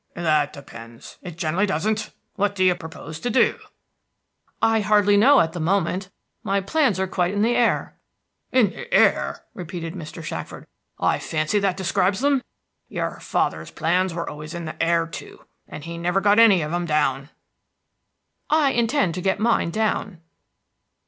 "That depends; it generally doesn't. What do you propose to do?" "I hardly know at the moment; my plans are quite in the air." "In the air!" repeated Mr. Shackford. "I fancy that describes them. Your father's plans were always in the air, too, and he never got any of them down." "I intend to get mine down."